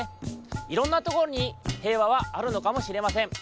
いろんなところに平和はあるのかもしれません。